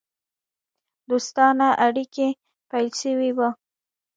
دوستانه اړېکي پیل سوي وه.